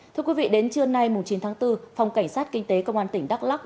thưa quý vị đến trưa nay chín tháng bốn phòng cảnh sát kinh tế công an tỉnh đắk lắc